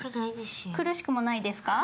苦しくもないですか？